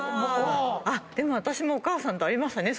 でも私もお母さんとありましたね。